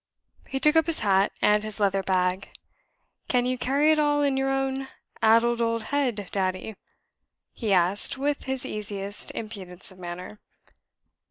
He took up his hat and his leather bag. "Can you carry it all in your own addled old head, daddy?" he asked, with his easiest impudence of manner.